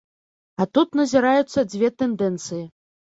А тут назіраюцца дзве тэндэнцыі.